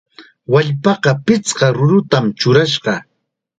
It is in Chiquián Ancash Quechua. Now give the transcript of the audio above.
Wallpaqa pichqa rurutam churashqa.